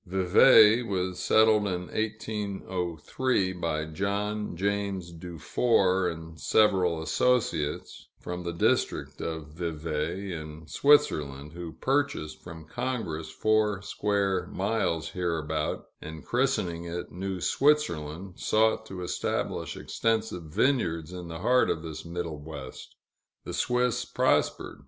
Vevay was settled in 1803, by John James Dufour and several associates, from the District of Vevay, in Switzerland, who purchased from Congress four square miles hereabout, and, christening it New Switzerland, sought to establish extensive vineyards in the heart of this middle West. The Swiss prospered.